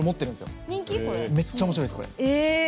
めっちゃおもしろいです、これ。